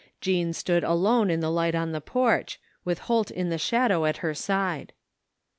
Jean stood alone in the light on the porch, with Holt in the shadow at her side.